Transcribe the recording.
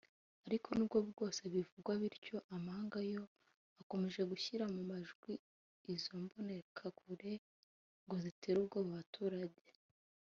Ariko n’ubwo bwose bivugwa bityo amahanga yo akomeje gushyira mu majwi izo Mbonerakure ngo zitera ubwoba abaturage